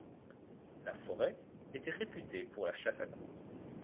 La forêt était réputée pour la chasse à courre.